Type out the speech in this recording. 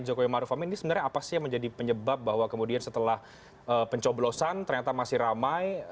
jokowi maruf amin ini sebenarnya apa sih yang menjadi penyebab bahwa kemudian setelah pencoblosan ternyata masih ramai